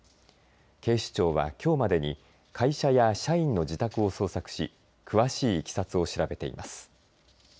警視庁はきょうまでに会社や社員の自宅を捜索し詳しいいきさつを調べています。